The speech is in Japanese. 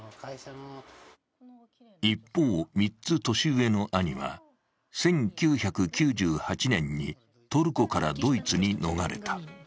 一方、３つ年上の兄は、１９９８年にトルコからドイツに逃れた。